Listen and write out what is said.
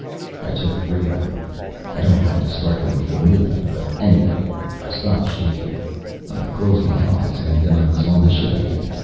_ I took three of them. I don't like to start them before midnight, but anyway I stopped shaking. I closed my eyes, and then I was on the ship again.